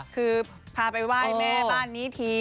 คือพาไปไหว้แม่บ้านนี้ที